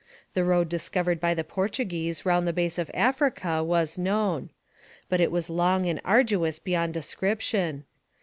The road discovered by the Portuguese round the base of Africa was known. But it was long and arduous beyond description.